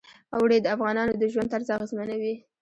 اوړي د افغانانو د ژوند طرز اغېزمنوي.